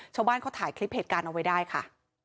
ชาวบ้านเขาถ่ายคลิปเหตุการณ์เอาไว้ได้ค่ะ